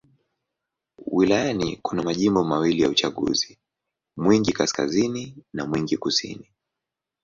Wilayani kuna majimbo mawili ya uchaguzi: Mwingi Kaskazini na Mwingi Kusini.